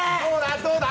どうだ？